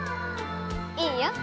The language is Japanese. いいよ。